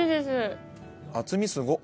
厚みすごっ！